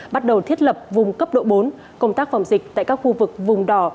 bắt đầu thiết lập vùng cấp độ bốn công tác phòng dịch tại các khu vực vùng đỏ